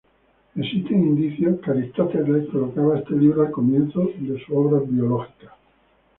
Existen indicios que Aristóteles colocaba este libro al comienzo de sus obras biológicas.